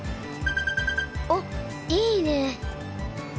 おっいいね。